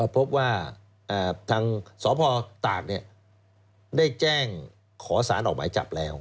พบว่าทางสพตากได้แจ้งขอสารออกหมายจับแล้ว